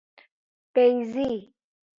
بیضی